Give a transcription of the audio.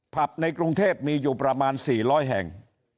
ผับในกรุงเทพฯมีอยู่ประมาณสี่ร้อยแห่ง